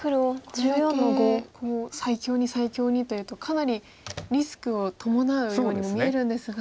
これだけ最強に最強にというとかなりリスクを伴うようにも見えるんですが。